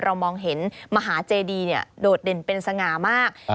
มองเห็นมหาเจดีโดดเด่นเป็นสง่ามาก